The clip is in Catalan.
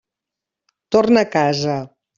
Torna a casa.